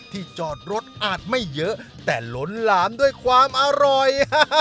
จอดรถอาจไม่เยอะแต่ล้นหลามด้วยความอร่อย